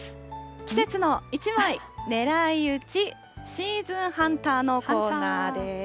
季節の一枚狙い撃ち、シーズンハンターのコーナーです。